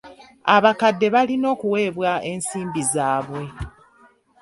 Abakadde balina okuweebwa ensimbi zaabwe.